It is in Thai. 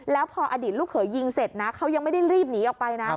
แล้วพออดีตลูกเขยยิงเสร็จนะเขายังไม่ได้รีบหนีออกไปนะ